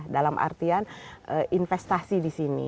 dalam artian investasi di sini